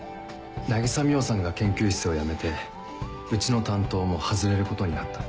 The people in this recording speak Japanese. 渚海音さんが研究室を辞めてうちの担当も外れることになった。